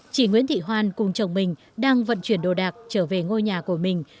chị nguyễn thị hoan cùng chồng mình đang vận chuyển đồ đạc trở về ngôi nhà của mình